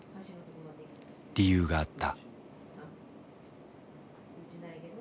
理由があった。